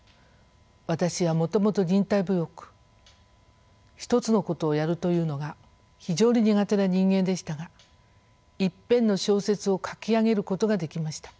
私はもともと忍耐強く一つのことをやるというのが非常に苦手な人間でしたが一編の小説を書き上げることができました。